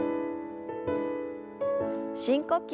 深呼吸。